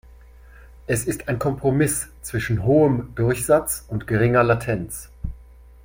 Es ist ein Kompromiss zwischen hohem Durchsatz und geringer Latenz.